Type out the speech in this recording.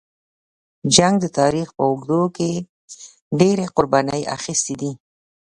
جنګ د تاریخ په اوږدو کې ډېرې قربانۍ اخیستې دي.